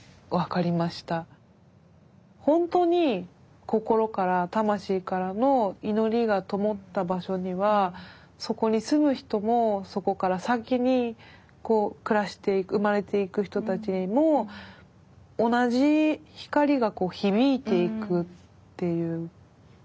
本当に心から魂からの祈りがともった場所にはそこに住む人もそこから先に暮らしていく生まれていく人たちにも同じ光が響いていくっていうことなのかなって。